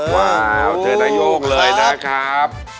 ว้าวเธอนโนโยงเลยนะครับครับ